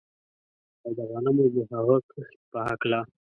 او د غنمو د هغه کښت په هکله